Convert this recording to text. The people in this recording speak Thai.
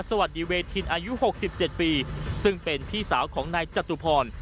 สวัสดีเวทินอายุ๖๗ปีซึ่งเป็นพี่สาวของนายจตุพร